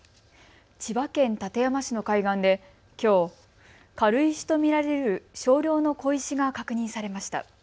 千葉県館山市の海岸できょう軽石と見られる少量の小石が確認されました。